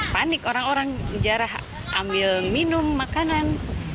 panik orang orang jarak ambil minum makanan